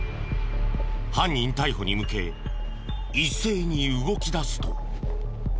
犯人逮捕に向け一斉に動き出すと。